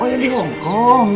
oh yang di hongkong